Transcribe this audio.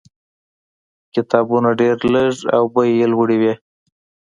کتابونه ډېر لږ او بیې یې لوړې وې.